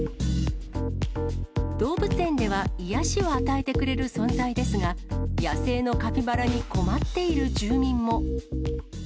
動物園では癒やしを与えてくれる存在ですが、野生のカピバラに困っている住民も。